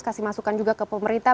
kasih masukan juga ke pemerintah